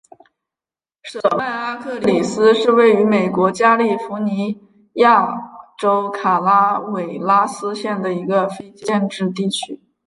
舍曼阿克里斯是位于美国加利福尼亚州卡拉韦拉斯县的一个非建制地区。